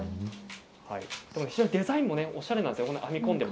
このデザインもおしゃれなんですよね。